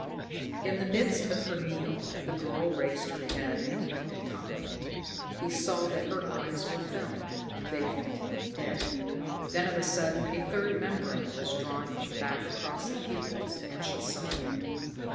In the midst of her meal the girl raised her head and looked at Tommy. He saw that her eyes were filmed, vacant, dead. Then of a sudden a third membrane was drawn back across the pupils, and she saw him.